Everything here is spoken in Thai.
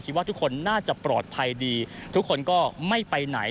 ว่าทุกคนน่าจะปลอดภัยดีทุกคนก็ไม่ไปไหน